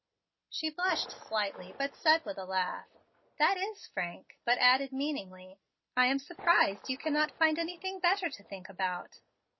She blushed slightly, but said with a laugh, "That is frank," but added, meaningly, "I am surprised you cannot find anything better to think about."